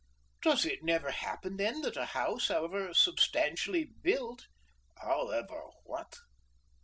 "Does it never happen, then, that a house, however substantially built " "However what!